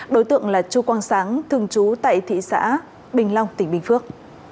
đối tượng là chu quang sáng thường trú tại thị xã bình long tỉnh bình phước